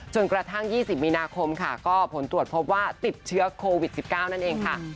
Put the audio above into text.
กระทั่ง๒๐มีนาคมค่ะก็ผลตรวจพบว่าติดเชื้อโควิด๑๙นั่นเองค่ะ